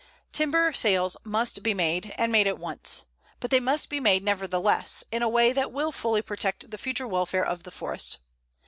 Timber sales must be made, and made at once; but they must be made, nevertheless, in a way that will fully protect the future welfare of the forest.